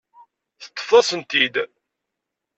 Teṭṭfeḍ-asen-t-id.